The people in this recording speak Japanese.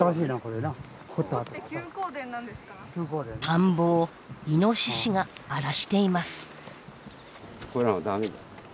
田んぼをイノシシが荒らしています。